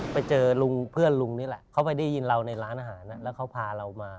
ไปเจอลุงเพื่อนลุงนี่แหละเขาไปได้ยินเราในร้านอาหารแล้วเขาพาเรามา